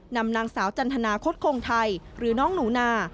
นำนางสาวจันทนาคตคงไทยหรือน้องหนูนา